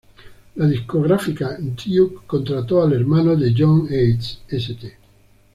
La discográfica Duke contrató al hermano de Johny Ace, St.